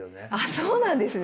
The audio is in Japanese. そうなんですね！